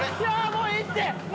もういいって！